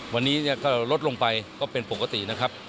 วันนี้ก็ลดลงไปก็เป็นปกตินะครับ